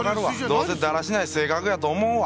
どうせだらしない性格やと思うわ。